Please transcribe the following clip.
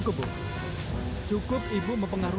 kalau setiap saat